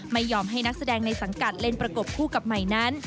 ไม่ยอมให้นักแสดงในสังกัดเล่นประกบคู่กับใหม่นั้น